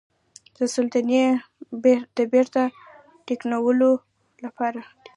د سلطې د بیرته ټینګولو لپاره.